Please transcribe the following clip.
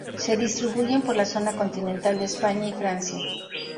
Se distribuyen por la zona continental de España y Francia.